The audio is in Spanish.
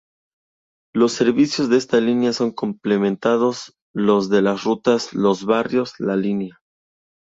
Los servicios de esta línea son complementados los de la ruta Los Barrios-La Línea.